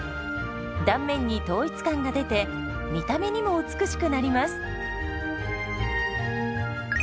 断面に統一感が出て見た目にも美しくなります。